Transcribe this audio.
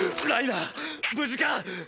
ライナー！！